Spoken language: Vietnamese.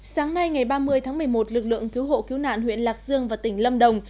sáng nay ngày ba mươi tháng một mươi một lực lượng cứu hộ cứu nạn huyện lạc dương và tỉnh lâm đồng